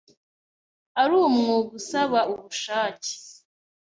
ari umwuga usaba ubushake